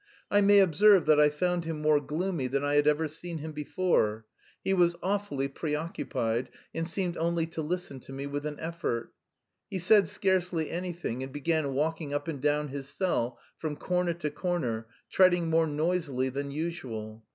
I may observe that I found him more gloomy than I had ever seen him before; he was awfully preoccupied and seemed only to listen to me with an effort. He said scarcely anything and began walking up and down his cell from corner to corner, treading more noisily than usual.